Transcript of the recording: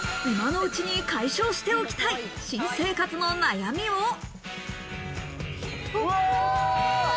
今のうちに解消しておきたい新生活の悩みを。